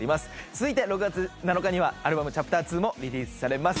続いて６月７日にはアルバム「ＣｈａｐｔｅｒⅡ」もリリースされます